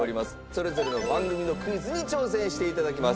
それぞれの番組のクイズに挑戦して頂きます。